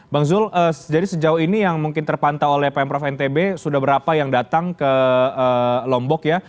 bang zul jadi sejauh ini yang mungkin terpantau oleh pemprov ntb sudah berapa yang datang ke lombok ya